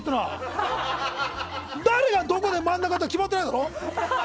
誰がどこで真ん中って決まってないでしょ。